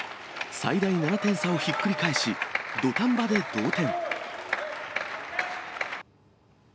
最大７点差をひっくり返し、土壇場で同点。